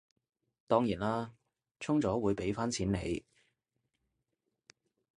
當然啦，充咗會畀返錢你